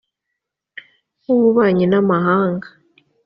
b ububanyi n amahanga